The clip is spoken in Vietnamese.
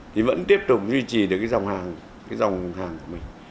thì vẫn tiếp tục duy trì được cái dòng hàng cái dòng hàng của mình